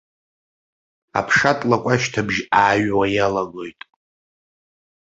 Аԥшатлакә ашьҭыбжь ааҩуа иалагоит.